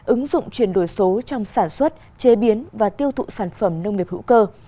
ứng dụng chuyển đổi số trong sản xuất chế biến và tiêu thụ sản phẩm nông nghiệp hữu cơ